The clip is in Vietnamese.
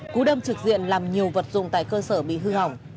cú đâm trực diện làm nhiều vật dụng tại cơ sở bị hư hỏng